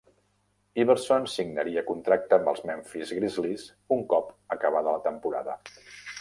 Iverson signaria contracte amb els Memphis Grizzlies un cop acabada la temporada.